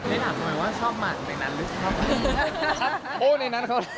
ในหลังทำไมว่าชอบมากในนั้นหรือครับ